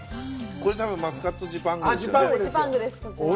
これ、多分マスカットジパングですね。